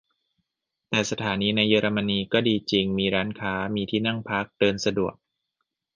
แต่สถานีในเยอรมนีก็ดีจริง มีร้านค้า มีที่นั่งพัก เดินสะดวก